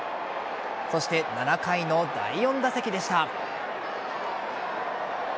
そして７回の第４打席でした。